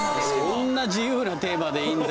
そんな自由なテーマでいいんだ